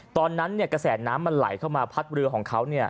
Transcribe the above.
ตอนนั้นกระแสน้ำมันไหลเข้ามาพัดเรือของเขา